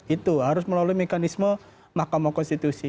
itu harus melalui mekanisme mahkamah konstitusi